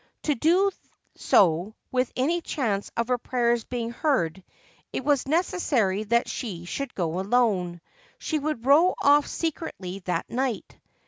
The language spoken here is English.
To do so with any chance of her prayers being heard, it was necessary that she should go alone. She would row off secretly that night.